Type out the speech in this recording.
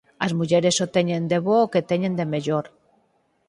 As mulleres só teñen de bo o que teñen de mellor.